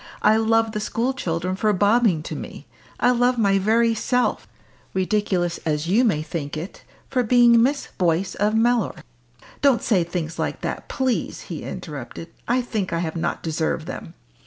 I love the school children for bobbing to me. I love my very self ridiculous as you may think it for being Miss Boyce of Mellor!" "Don't say things like that, please!" he interrupted; "I think I have not deserved them."